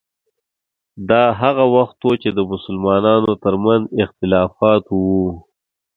دا هغه وخت و چې د مسلمانانو ترمنځ اختلافات وو.